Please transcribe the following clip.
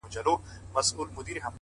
o ماجبیني د مهدي حسن آهنګ یم،